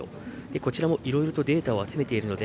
こちらも、いろいろとデータを集めているので